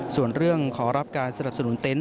ส่วนเรื่องขอรับการสนับสนุนเต็นต